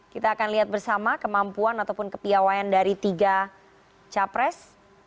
kita akan lihat bersama kemampuan ataupun kepiawaian dari tiga capres